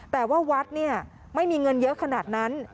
แต่ว่าวัดไม่มีเงินเยอะขนาดนั้น